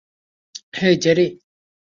হেই, Jerry.